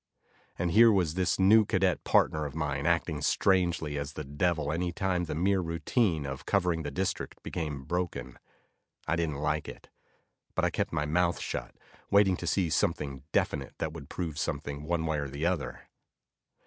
And here was this new cadet partner of mine acting strangely as the devil any time the mere routine of covering the district became broken. I didn't like it, but I kept my mouth shut, waiting to see something definite that would prove something one way or the other.